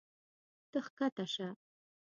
ته ښکته شه.